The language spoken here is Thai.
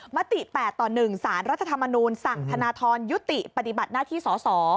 มติ๘ต่อ๑สารรัฐธรรมนูลสั่งธนทรยุติปฏิบัติหน้าที่สส